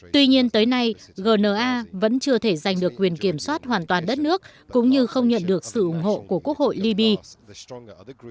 tuy nhiên tới nay gna vẫn chưa thể giành được quyền kiểm soát hoàn toàn đất nước cũng như không nhận được sự ủng hộ của quốc hội libya